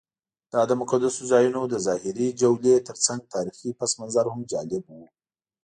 دا د مقدسو ځایونو د ظاهري جولې ترڅنګ تاریخي پسمنظر هم جالب و.